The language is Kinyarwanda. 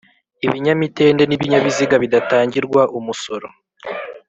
Ibinyamitende n'ibinyabiziga bidatangirwa umusoro